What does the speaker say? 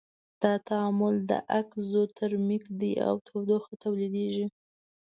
دا تعامل اکزوترمیک دی او تودوخه تولیدیږي.